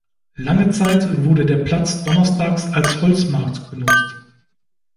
Lange Zeit wurde der Platz donnerstags als Holzmarkt genutzt.